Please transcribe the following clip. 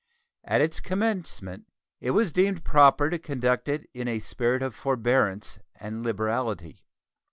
At its commencement it was deemed proper to conduct it in a spirit of forbearance and liberality.